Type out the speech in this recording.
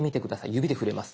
指で触れます。